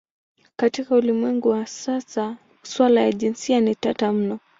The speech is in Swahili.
Katika ulimwengu wa sasa suala la jinsia ni tata mno.